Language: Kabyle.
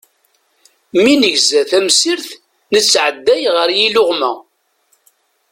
Mi negza tamsirt, nettɛedday ɣer yiluɣma.